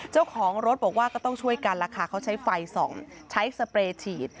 เจ้าของรถบอกว่าก็ต้องช่วยกันล่ะค่ะเขาใช้ไฟส่องใช้สเปรย์ฉีด